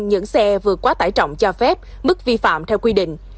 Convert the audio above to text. những xe vượt quá tải trọng cho phép mức vi phạm theo quy định